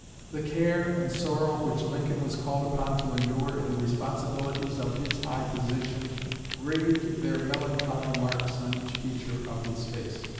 The care and sorrow which Lincoln was called upon to endure in the responsibilities of his high position graved their melancholy marks on each feature of his face.